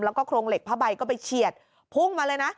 แล้วก็โครงเหล็กผ้าใบก็ไปเฉียดพุ่งมาเลยนะ